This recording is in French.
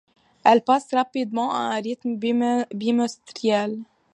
Elle passe rapidement à un rythme bimestriel.